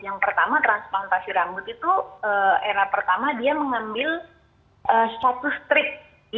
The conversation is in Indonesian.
yang pertama transplantasi rambut itu era pertama dia mengambil status strip